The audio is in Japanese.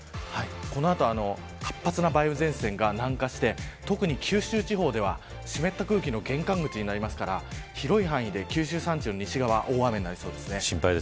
この後、活発な梅雨前線が南下して特に九州地方では湿った空気の玄関口になりますから広い範囲で九州山地の西側大雨になりそうです。